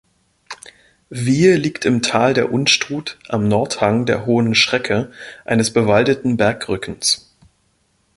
Wiehe liegt im Tal der Unstrut am Nordhang der Hohen Schrecke, eines bewaldeten Bergrückens.